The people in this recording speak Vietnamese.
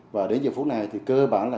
và đến giờ phút này thì cơ bản là